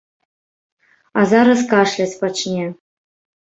А зараз кашляць пачне.